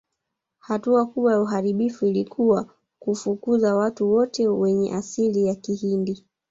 Hatua kubwa ya uharibifu ilikuwa kufukuza watu wote wenye asili ya Kihindi